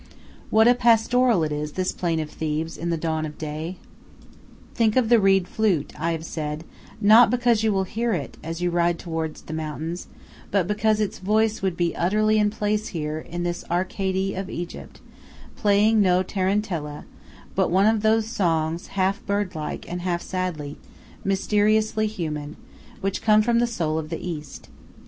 What a pastoral it is, this plain of Thebes, in the dawn of day! Think of the reed flute, I have said, not because you will hear it, as you ride toward the mountains, but because its voice would be utterly in place here, in this arcady of Egypt, playing no tarantella, but one of those songs, half bird like, and half sadly, mysteriously human, which come from the soul of the East.